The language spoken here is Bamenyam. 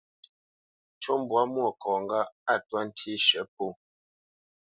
Ncú mbwǎ Mwôkɔ̌ ŋgâʼ a twá ntí shə̌ pó.